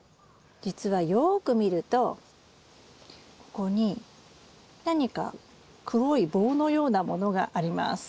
じつはよく見るとここに何か黒い棒のようなものがあります。